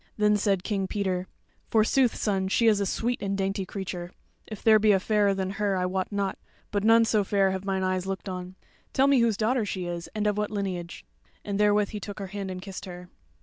Then said King Peter; "Forsooth, son, she is a sweet and dainty creature. If there be a fairer than her, I wot not; but none so fair have mine eyes looked on. Tell me whose daughter she is, and of what lineage?" And therewith he took her hand and kissed her.